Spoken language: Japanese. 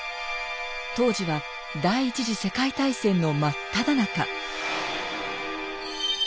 当時は第１次世界大戦のまっただ中。